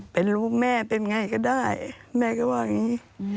เป็นลูกแม่เป็นไงก็ได้แม่ก็ว่าอย่างนี้